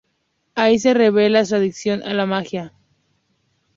Ahí se revela su adicción a la magia.